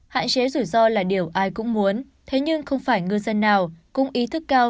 hạn chế rủi ro là điều ai cũng muốn thế nhưng không phải ngư dân nào cũng ý thức cao